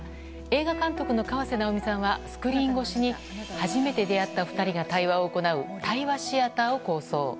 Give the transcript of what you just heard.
映画監督の河瀬直美さんはスクリーン越しに初めて出会った２人が対話を行う対話シアターを構想。